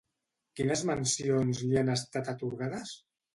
Quines mencions li han estat atorgades?